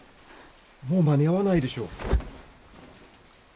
もう間に合わないでしょう。